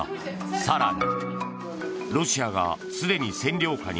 更に。